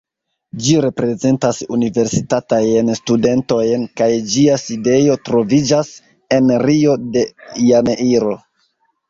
Ĝi reprezentas universitatajn studentojn kaj ĝia sidejo troviĝas en Rio de Janeiro.